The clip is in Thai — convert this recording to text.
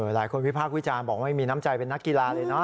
วิพากษ์วิจารณ์บอกว่าไม่มีน้ำใจเป็นนักกีฬาเลยเนอ